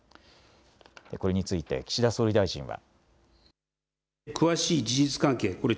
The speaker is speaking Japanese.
これについて岸田総理大臣は。